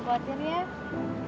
kalau kita ditemukan istri lalu